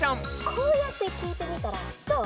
こうやって聞いてみたらどう？